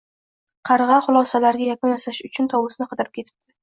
Qarg‘a xulosalariga yakun yasash uchun tovusni qidirib ketibdi